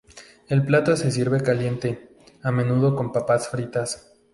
El plato se sirve caliente, a menudo con papas fritas.